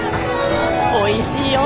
おいしいよ。